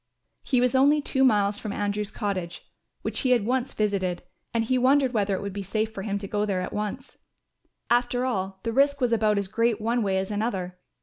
He was only two miles from Andrew's cottage, which he had once visited, and he wondered whether it would be safe for him to go there at once. After all, the risk was about as great one way as another.